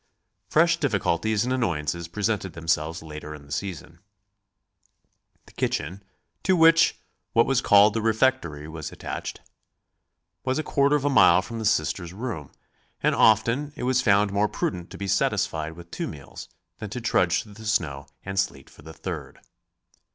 Fresh difficulties and annoyances presented themselves later in the season. The kitchen, to which what was called the refectory was attached, was a quarter of a mile from the Sisters' room, and often it was found more prudent to be satisfied with two meals than to trudge through the snow and sleet for the third.